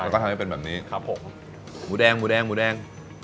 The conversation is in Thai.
เราก็ทำให้เป็นแบบนี้ครับผมมูดแดงอืม